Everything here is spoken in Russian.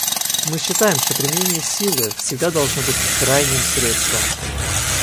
Мы считаем, что применение силы всегда должно быть крайним средством.